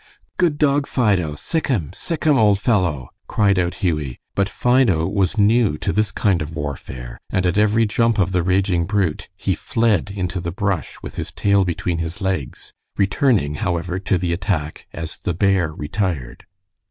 "Good dog, Fido. Sic him! Sic him, old fellow!" cried out Hughie, but Fido was new to this kind of warfare, and at every jump of the raging brute he fled into the brush with his tail between his legs, returning, however, to the attack as the bear retired.